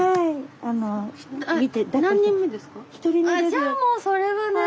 じゃあもうそれはね。